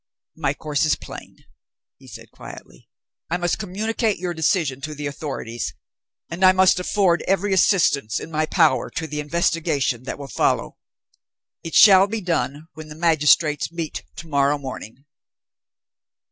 "My course is plain," he said quietly. "I must communicate your decision to the authorities; and I must afford every assistance in my power to the investigation that will follow. It shall be done, when the magistrates meet to morrow morning."